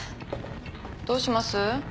どうします？